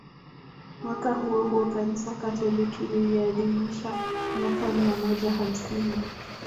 Mwaka huo huo Kanisa Katoliki liliadhimisha miaka mia moja hamsini